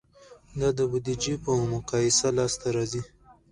دا د بودیجې په مقایسه لاسته راځي.